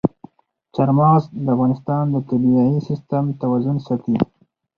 چار مغز د افغانستان د طبعي سیسټم توازن ساتي.